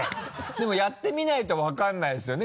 でもやってみないと分からないですよね。